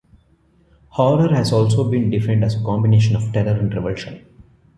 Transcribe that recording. Horror has also been defined as a combination of terror and revulsion.